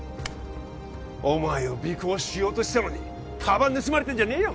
お前を尾行しようとしてたのにカバン盗まれてんじゃねえよ